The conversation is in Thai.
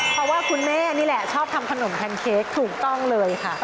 เพราะว่าคุณแม่นี่แหละชอบทำขนมแพนเค้กถูกต้องเลยค่ะ